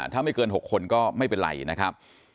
ถ้าไม่เกิน๖คนก็ไม่เป็นไรนะครับ